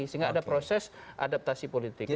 sehingga ada proses adaptasi politik